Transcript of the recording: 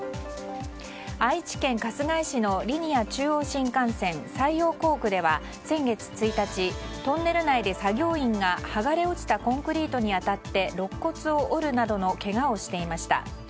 愛知県春日井市のリニア中央新幹線西尾工区では先月１日、トンネル内で作業員が剥がれ落ちたコンクリートに当たって肋骨を折るなどのけがをしていました。